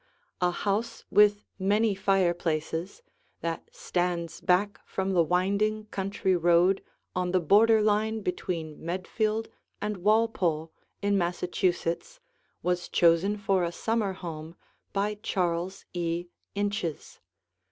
A house with many fireplaces that stands back from the winding country road on the border line between Medfield and Walpole in Massachusetts was chosen for a summer home by Charles E. Inches.